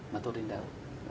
mà tốt đến đâu